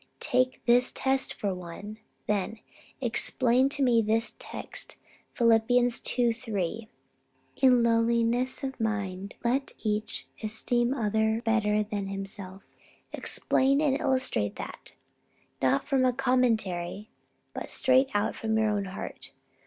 Take this test for one, then. Explain this text to me: Phil. ii. 3 "In lowliness of mind let each esteem other better than himself." Explain and illustrate that. Not from a commentary, but straight out from your own heart.